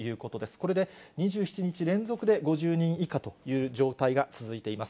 これで２７日連続で５０人以下という状態が続いています。